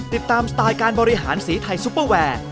สไตล์การบริหารสีไทยซุปเปอร์แวร์